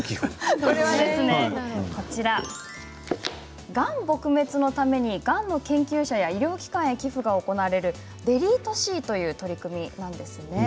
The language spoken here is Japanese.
これはがん撲滅のためにがんの研究者や医療機関へ寄付が行われるｄｅｌｅｔｅＣという取り組みです。